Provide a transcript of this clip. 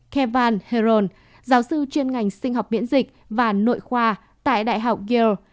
kevin herron giáo sư chuyên ngành sinh học miễn dịch và nội khoa tại đại học yale